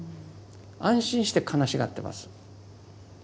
安心して悲しがってます。